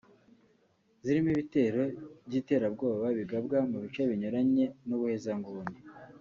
zirimo ibitero by’iterabwoba bigabwa mu bice binyuranye n’ubuhezanguni